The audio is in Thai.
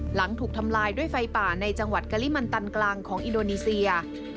หลังถูกทำลายด้วยไฟป่าในจังหวัดกะลิมันตันกลางของอินโดนีเซีย